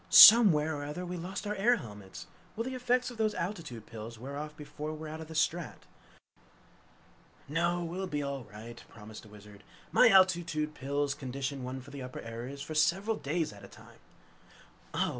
"Somewhere or other we lost our air helmets. Will the effects of those altitude pills wear off before we're out of the strat?" "No, we'll be all right," promised the Wizard. "My altitude pills condition one for the upper areas for several days at a time!" "Oh!